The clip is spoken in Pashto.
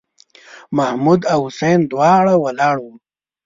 محمـود او حسين دواړه ولاړ ول.